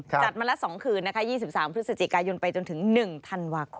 จัดมาละ๒คืนนะคะ๒๓พฤศจิกายนไปจนถึง๑ธันวาคม